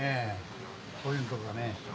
こういうのとかね。